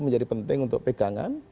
menjadi penting untuk pegangan